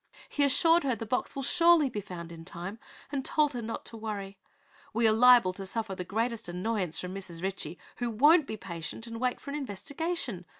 He assured her the box will surely be found in time, and told her not to worry. We are liable to suffer our greatest annoyance from Mrs. Ritchie, who won't be patient and wait for an investigation.